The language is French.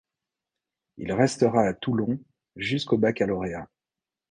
Il restera à Toulon jusqu'au baccalauréat.